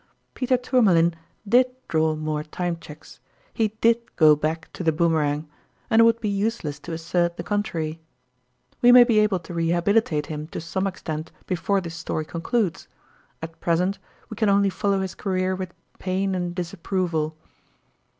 Peter Tourmalin did draw more Time Cheques, he did go back to the JSoomerang, and it would be useless to assert the contrary. We may be able to rehabilitate him to some extent before this story concludes ; at present, we can only follow his career with pain and disapproval.